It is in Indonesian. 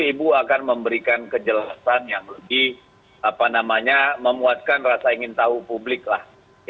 ibu akan memberikan kejelasan yang lebih memuaskan rasa ingin tahu publik lah